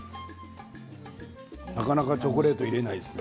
なかなかチョコレートを入れないですね。